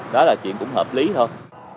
đó là chuyện cũng hợp lý thôi